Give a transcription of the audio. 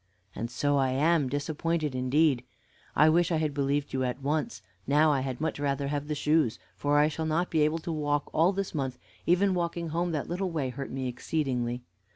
"And so I am disappointed, indeed. I wish I had believed you at once. Now I had much rather have the shoes, for I shall not be able to walk all this month; even walking home that little way hurt me exceedingly.